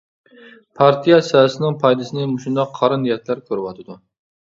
پارتىيە سىياسىتىنىڭ پايدىسىنى مۇشۇنداق قارا نىيەتلەر كۆرۈۋاتىدۇ.